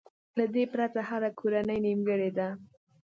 له دې پرته هره کورنۍ نيمګړې ده.